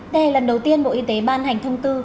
đây là lần đầu tiên bộ y tế ban hành thông tư